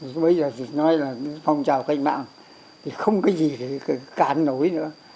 bây giờ nói là phong trào cách mạng thì không cái gì để cản nổi nữa